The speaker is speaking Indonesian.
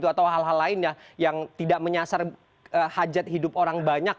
atau hal hal lain yang tidak menyasar hajat hidup orang banyak